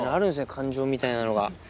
感情みたいなのが。